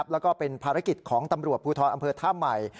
แล้วก็เป็นภารกิจของตำรวจภูทรอำเภอท่าใหม่